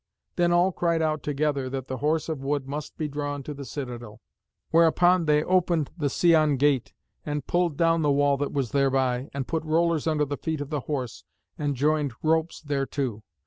Then all cried out together that the Horse of wood must be drawn to the citadel. Whereupon they opened the Scæan Gate, and pulled down the wall that was thereby, and put rollers under the feet of the Horse, and joined ropes thereto.